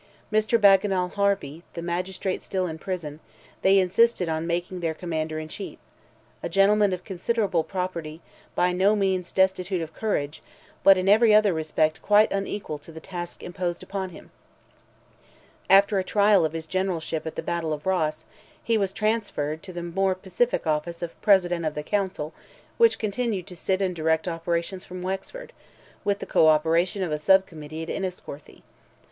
Mr. Bagenal Harvey, the magistrate still in prison, they insisted on making their Commander in Chief; a gentleman of considerable property, by no means destitute of courage, but in every other respect quite unequal to the task imposed upon him. After a trial of his generalship at the battle of Ross, he was transferred to the more pacific office of President of the Council, which continued to sit and direct operations from Wexford, with the co operation of a sub committee at Enniscorthy.